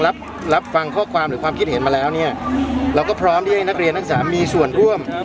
รับรับฟังข้อความหรือความคิดเห็นมาแล้วเนี่ยเราก็พร้อมที่ให้นักเรียนนักศึกษามีส่วนร่วม